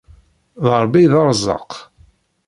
D Rebbi i d arezzaq.